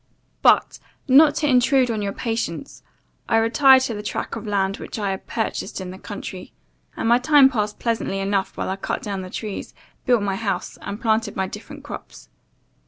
"But, not to intrude on your patience, I retired to the track of land which I had purchased in the country, and my time passed pleasantly enough while I cut down the trees, built my house, and planted my different crops.